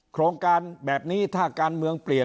โครงการแบบนี้ถ้าการเมืองเปลี่ยน